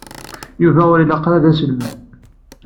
Yuba ur ilaq ara d aselmad.